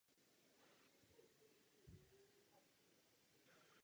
Jako novinář pracoval pro Daily Mail a byl zahraničním korespondentem The Times.